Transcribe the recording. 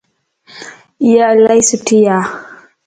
اھا الائي سٺي ا